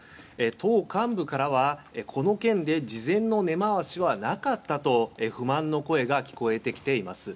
党幹部からはこの件で事前の根回しはなかったと不満の声が聞こえてきています。